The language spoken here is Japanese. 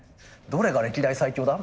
「どれが歴代最強だ？」